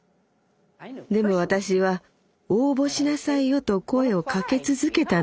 でも私は応募しなさいよと声をかけ続けたの。